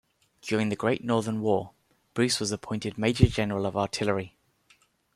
During the Great Northern War Bruce was appointed major-general of artillery.